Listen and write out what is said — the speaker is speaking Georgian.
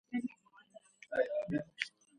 მდებარეობს მდინარე კანეს ნაპირზე.